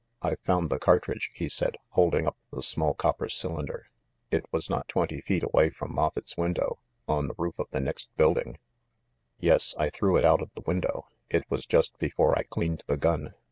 "I've found the cartridge," he said, holding up the small copper cylinder. "It was not twenty feet away from Moffett's window, on the roof of the next build ing." "Yes, I threw it out of the window. It was just before I cleaned the gun.